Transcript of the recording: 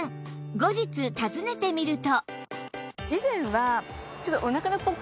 後日訪ねてみると